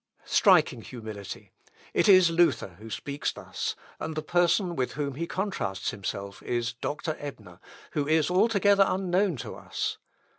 " Striking humility! It is Luther who speaks thus, and the person with whom he contrasts himself is Doctor Ebner, who is altogether unknown to us.